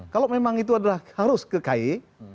kalau memang itu adalah harus ke ki